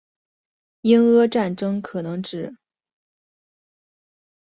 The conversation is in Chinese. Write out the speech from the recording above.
英阿战争可能指